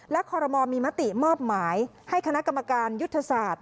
และคอรมอลมีมติมอบหมายให้คณะกรรมการยุทธศาสตร์